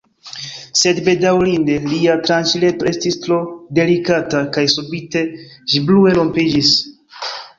Sed bedaŭrinde lia tranĉileto estis tro delikata kaj subite ĝi brue rompiĝis.